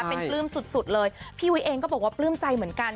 เป็นปลื้มสุดเลยพี่วิเองก็บอกว่าปลื้มใจเหมือนกัน